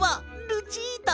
ルチータ